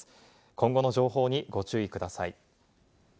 今後の情報にご注意ください。